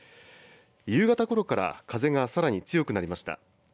夕方ごろから風がさらに強くなりました。